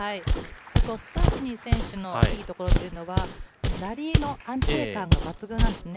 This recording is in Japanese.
スタシニ選手のいいところというのは、ラリーの安定感が抜群なんですね。